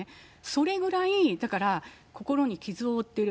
それぐらい、だから、心に傷を負ってる。